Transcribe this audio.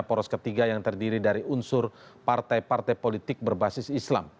poros ketiga yang terdiri dari unsur partai partai politik berbasis islam